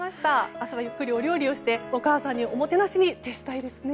明日はゆっくりお料理をしてお母さんにおもてなしに徹したいですね。